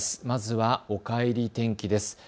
まずはおかえり天気です。